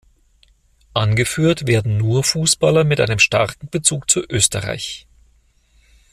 Angeführt werden nur Fußballer mit einem starken Bezug zu Österreich.